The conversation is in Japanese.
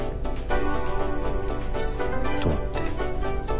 どうって？